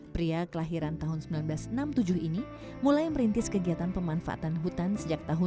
pria kelahiran tahun seribu sembilan ratus enam puluh tujuh ini mulai merintis kegiatan pemanfaatan hutan sejak tahun dua ribu